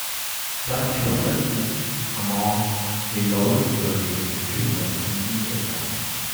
The tuition is among the lowest university tuition in the nation.